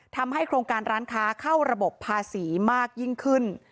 ทำให้โครงการร้านค้าเข้าระบบภาษีมากยิ่งขึ้น